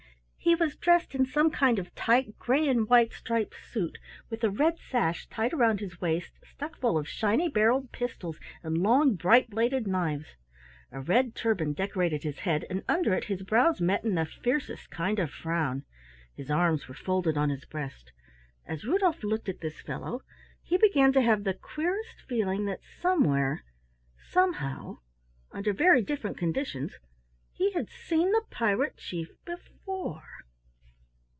He was dressed in some kind of tight gray and white striped suit with a red sash tied round his waist stuck full of shiny barreled pistols and long bright bladed knives. A red turban decorated his head and under it his brows met in the fiercest kind of frown. His arms were folded on his breast. As Rudolf looked at this fellow, he began to have the queerest feeling that somewhere somehow under very different conditions he had seen the Pirate Chief before!